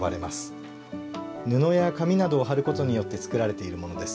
布や紙などを貼ることによって作られているものです。